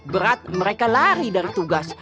berat mereka lari dari tugas